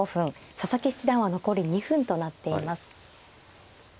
佐々木七段は残り２分となっています。